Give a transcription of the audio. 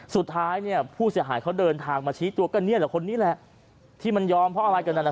สุดท้ายเนี่ยผู้เสียหายเขาเดินทางมาชี้ตัวก็นี่แหละคนนี้แหละที่มันยอมเพราะอะไรกัน